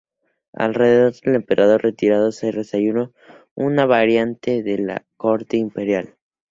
Alrededor del emperador retirado se desarrolló una variante de la corte imperial.